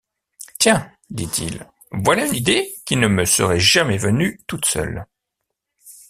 Tiens! dit-il, voilà une idée qui ne me serait jamais venue toute seule.